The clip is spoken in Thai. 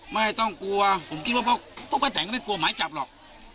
ไม่ต้องกลัวผมคิดว่าพวกพระแต่งก็ไม่กลัวหมายจับหรอก